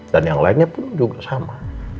dan yang lainnya pun juga sama